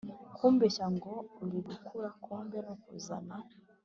Kumbeshya ngo iri kugura kumbe nukuzana